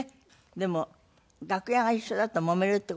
でも楽屋が一緒だともめるって事はない？